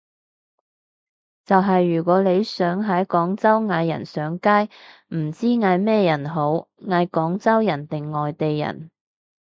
就係如果你想喺廣州嗌人上街，唔知嗌咩人好，嗌廣州人定外地人？